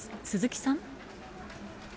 鈴木さん。